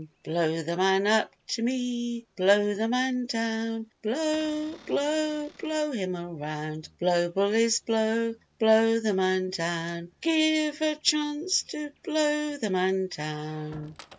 "Blow the man up to me Blow the man down Blow, blow, blow him around. Blow bullies blow, Blow the man down Give us a chance to blow the man down."